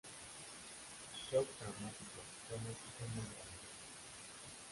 Shock traumático, pronóstico muy grave.